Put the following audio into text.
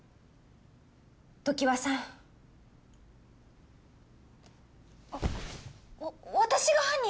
常盤さんあっわ私が犯人？